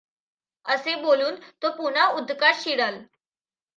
असे बोलून तो पुन्हा उदकात शिराल.